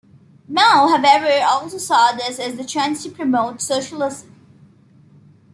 Mao, however, also saw this as the chance to promote socialism.